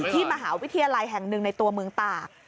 ที่มหาวิทยาลัยแห่งหนึ่งในตัวเมืองตาก